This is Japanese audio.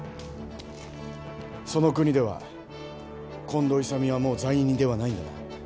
その国では近藤勇はもう罪人ではないんだな？